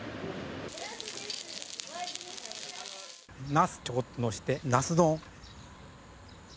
ナスちょこっとのせてナス丼。